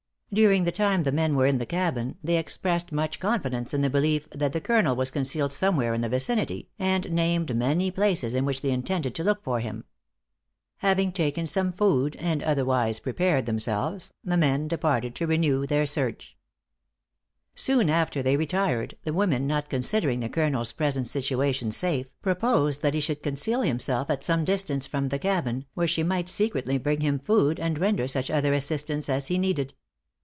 During the time the men were in the cabin, they expressed much confidence in the belief that the Colonel was concealed somewhere in the vicinity, and named many places in which they intended to look for him. Having taken some food, and otherwise prepared themselves, the men departed to renew their search. "Soon after they retired, the woman, not considering the Colonel's present situation safe, proposed that he should conceal himself at some distance from the cabin, where she might secretly bring him food, and render such other assistance as he needed.